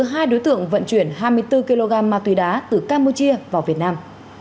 hai đối tượng vận chuyển hai mươi bốn kg ma túy đá từ campuchia vào việt nam